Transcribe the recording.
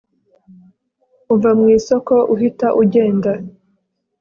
uva mwisoko uhita ugenda